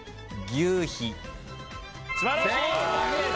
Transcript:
素晴らしい！